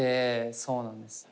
そうなんです。